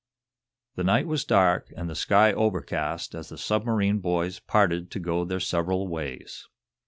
The night was dark and the sky overcast as the submarine boys parted to go their several ways.